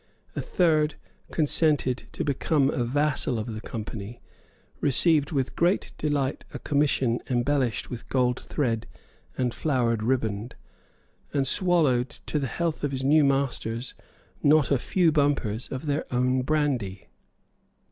A third consented to become a vassal of the Company, received with great delight a commission embellished with gold thread and flowered riband, and swallowed to the health of his new masters not a few bumpers of their own brandy.